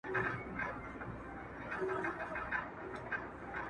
• نه د مشر ورور کوزده نه یې عیال وو -